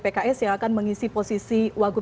pks yang akan mengisi posisi wagub